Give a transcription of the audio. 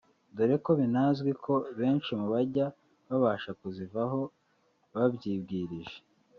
dore ko binazwi ko benshi mu bajya babasha kuzivaho babyibwirije